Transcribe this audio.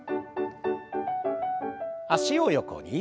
脚を横に。